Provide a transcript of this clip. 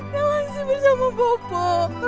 nawansi bersama bopo